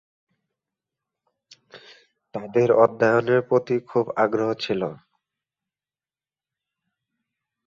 তাদের অধ্যয়নের প্রতি খুব আগ্রহ ছিল।